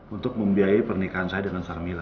untuk membiayai pernikahan saya dengan sarmila